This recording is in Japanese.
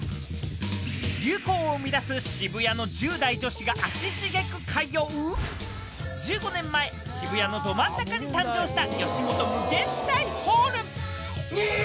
流行を生み出す渋谷の１０代女子が足しげく通う、１５年前、渋谷のど真ん中に誕生した、ヨシモト∞ホール。